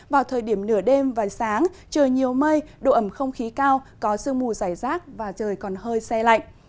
vào thời điểm nửa đêm và sáng trời nhiều mây độ ẩm không khí cao có sương mù giải rác và trời còn hơi xe lạnh